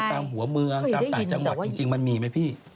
ตามหัวเมืองตามต่างจังหวัดจริงมันมีไหมพี่